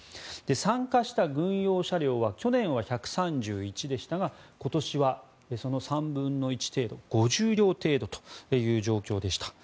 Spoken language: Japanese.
参加した軍用車両は去年は１３１でしたが今年はその３分の１程度５０両程度という状況でした。